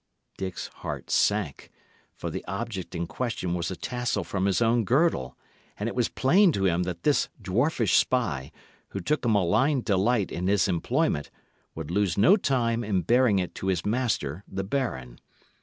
Dick's heart sank, for the object in question was a tassel from his own girdle; and it was plain to him that this dwarfish spy, who took a malign delight in his employment, would lose no time in bearing it to his master, the baron.